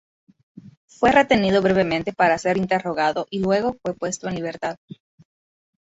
Fue retenido brevemente para ser interrogado y luego fue puesto en libertad.